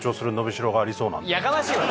やかましいわ！